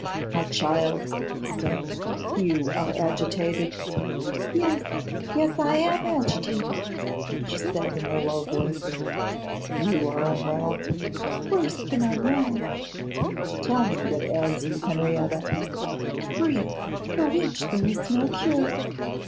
'My child,' he said, 'you are agitated.' 'Yes; yes, I am agitated,' she said, in a low voice. 'You are unwell.' 'Worse than unwell.' 'Tell me what ails you, Henrietta.' 'Grief for which there is no cure.